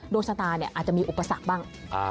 โดชนาตาเนี่ยอาจจะมีอุปสรรคบ้าง